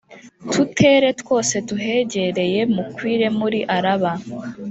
tutere twose tuhegereye, mukwire muri araba